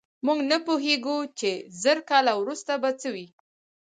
موږ نه پوهېږو چې زر کاله وروسته به څه وي.